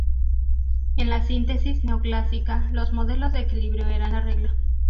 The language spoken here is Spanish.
En la síntesis neoclásica, los modelos de equilibrio eran la regla.